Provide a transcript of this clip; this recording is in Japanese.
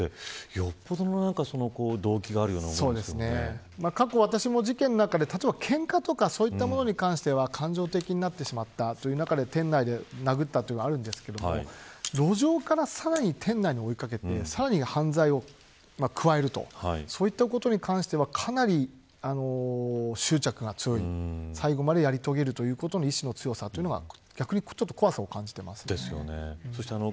そこに逃げ込んだ人をさらに追い掛けていこうというのはよっぽどの動機があるように過去、私も事件なんかでけんかとかそういったものに関しては感情的になってしまったそういった中で店内で殴ったとかはありますが路上からさらに店内に追い掛けてさらに犯罪を加えるそういったことに関してはかなり執着が強い最後までやり遂げるということの意思の強さは怖さを感じています。